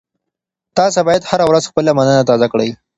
تاسي باید هره ورځ خپله مننه تازه کړئ.